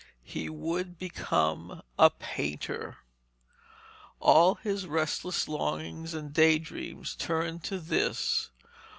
He would become a painter. All his restless longings and day dreams turned to this.